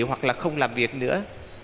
hoặc là không làm việc nữa